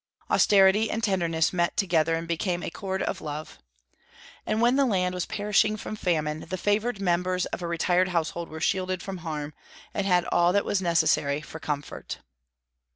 Austerity and tenderness met together and became a cord of love; and when the land was perishing from famine, the favored members of a retired household were shielded from harm, and had all that was necessary for comfort.